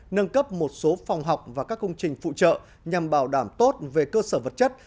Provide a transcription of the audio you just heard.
nâng cấp một số phòng học và các công trình phụ trợ nhằm bảo đảm tốt về cơ sở vật chất